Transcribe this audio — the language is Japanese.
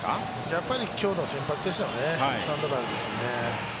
やっぱり今日の先発ですよね、サンドバルですよね。